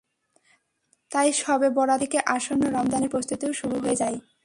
তাই শবে বরাতের রাত থেকে আসন্ন রমজানের প্রস্তুতিও শুরু হয়ে যায়।